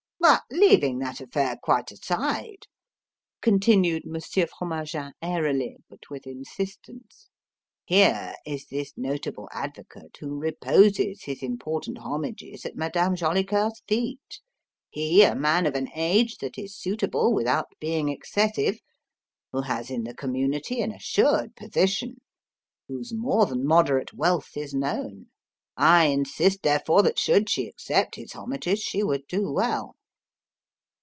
"But leaving that affair quite aside," continued Monsieur Fromagin airily, but with insistence, "here is this notable advocate who reposes his important homages at Madame Jolicoeur's feet: he a man of an age that is suitable, without being excessive; who has in the community an assured position; whose more than moderate wealth is known. I insist, therefore, that should she accept his homages she would do well."